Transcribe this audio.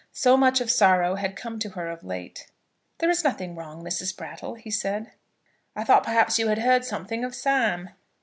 So much of sorrow had come to her of late! "There is nothing wrong, Mrs. Brattle," he said. "I thought perhaps you had heard something of Sam."